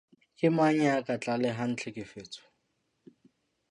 Ke mang ya ka tlalehang tlhekefetso?